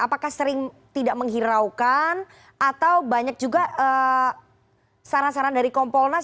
apakah sering tidak menghiraukan atau banyak juga saran saran dari kompolnas